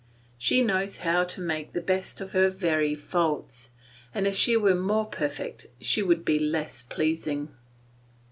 She knows how to make the best of her very faults, and if she were more perfect she would be less pleasing.